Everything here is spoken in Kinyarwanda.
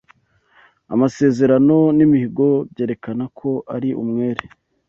Amasezerano n'imihigo byerekana ko ari umwere